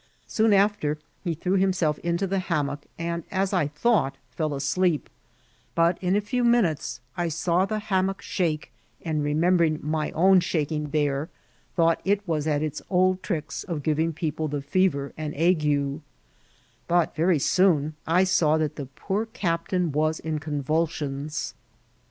Soon after he threw himself into the ham mock, and, as I thought, fell asleep ; but in a few min utes I saw the hammock shake, and, remembering my own shaking there, thought it was at its old tricks of giving people the fever and ague ; but very soon I saw that the poor captain was in convulsimis.